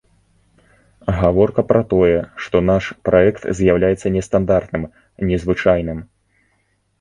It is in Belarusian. Гаворка пра тое, што наш праект з'яўляецца нестандартным, незвычайным.